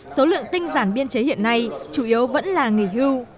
số lượng tinh giản biên chế hiện nay chủ yếu vẫn là nghỉ hưu